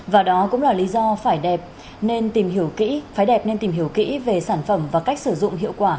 và đó cũng là lý do phải đẹp nên tìm hiểu kỹ về sản phẩm và cách sử dụng hiệu quả